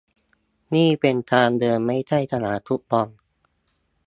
นี่เป็นทางเดินไม่ใช่สนามฟุตบอล